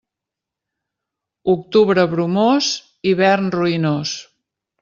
Octubre bromós, hivern ruïnós.